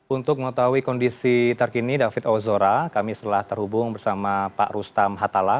untuk mengetahui kondisi terkini david ozora kami telah terhubung bersama pak rustam hatala